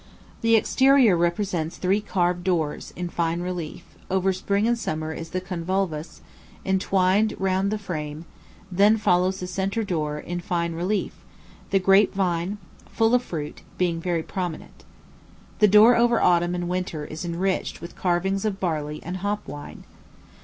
The exterior represents three carved doors, in fine relief: over Spring and Summer is the convolvulus, entwined round the frame; then follows the centre door, in fine relief the grape vine, full of fruit, being very prominent. The door over Autumn and Winter is enriched with carvings of barley and hop vine.